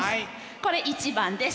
これ１番です。